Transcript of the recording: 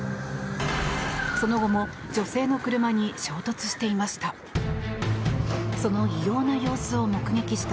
その後も女性の車に衝突していました。